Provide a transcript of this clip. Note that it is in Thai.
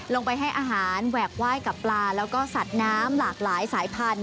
ลงไปให้อาหารแหวกไหว้กับปลาแล้วก็สัตว์น้ำหลากหลายสายพันธุ